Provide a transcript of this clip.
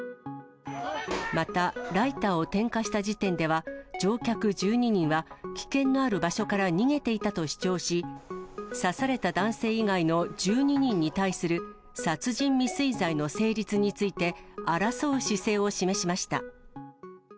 また、ライターを点火した時点では、乗客１２人は危険のある場所から逃げていたと主張し、刺された男性以外の１２人に対する殺人未遂罪の成立について、争う姿勢を示しました。